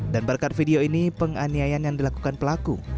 dan berkat video ini penganiayan yang dilakukan pelaku